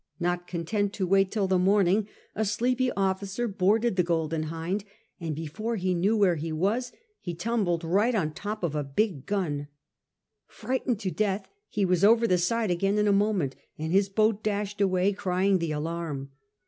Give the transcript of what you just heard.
Not content to wait till the morning, a sleepy officer boarded the Golden Hind, and before he knew where he was he tumbled right on the top of a big gun. Frightened to death, he was over the side again in a moment, and his boat dashed away crying the alarm.